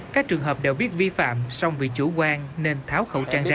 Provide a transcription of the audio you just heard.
các trường hợp đều biết vi phạm song vì chủ quan nên tháo khẩu trang ra